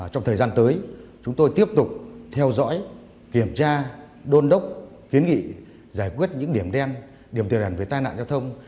trong thời gian tới chúng tôi tiếp tục theo dõi kiểm tra đôn đốc kiến nghị giải quyết những điểm đen điểm tiềm ẩn về tai nạn giao thông